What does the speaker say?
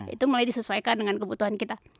itu mulai disesuaikan dengan kebutuhan kita